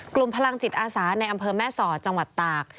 กลุ่มพลังจิตอาสาในอำเภอแม่สอดจังหวัดตาก